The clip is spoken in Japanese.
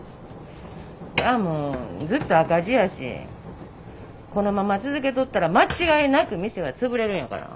そりゃもうずっと赤字やしこのまま続けとったら間違いなく店は潰れるんやから。